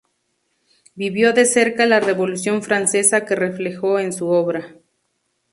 Vivió de cerca la revolución francesa que reflejó en su obra.